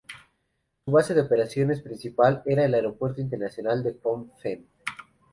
Su base de operaciones principal era el Aeropuerto Internacional de Phnom Penh.